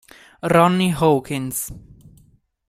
Ronnie Hawkins